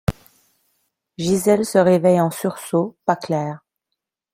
Gisèle se réveille en sursaut, pas claire.